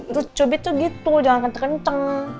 itu cubit tuh gitu jangan kenteng kenteng